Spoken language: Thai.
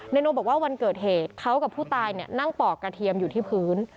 โนบอกว่าวันเกิดเหตุเขากับผู้ตายนั่งปอกกระเทียมอยู่ที่พื้น